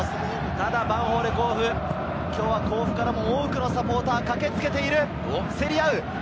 ただヴァンフォーレ甲府、今日は甲府からも多くのサポーターが駆けつけている。